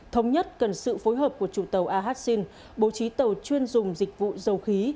thống nhất cần sự phối hợp của chủ tàu ahin bố trí tàu chuyên dùng dịch vụ dầu khí